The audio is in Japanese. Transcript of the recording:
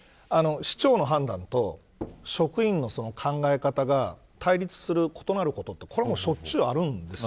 市長の判断と職員の考え方が対立する、異なることはしょっちゅうあるんです。